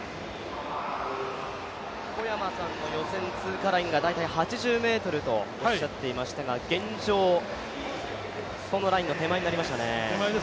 小山さんは予選通過ラインが大体８０ｍとおっしゃっていましたが現状、そのラインの手前になりましたね。